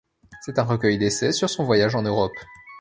C'est un recueil d'essais sur son voyage en Europe.